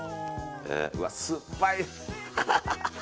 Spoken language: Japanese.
うわ、酸っぱい！